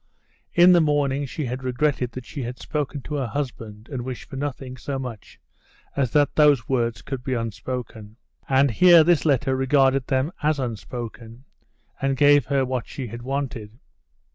In the morning she had regretted that she had spoken to her husband, and wished for nothing so much as that those words could be unspoken. And here this letter regarded them as unspoken, and gave her what she had wanted.